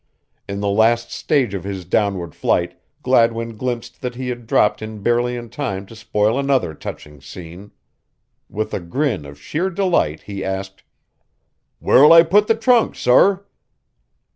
In the last stage of his downward flight Gladwin glimpsed that he had dropped in barely in time to spoil another touching scene. With a grin of sheer delight, he asked: "Where'll I put the trunk, sorr?"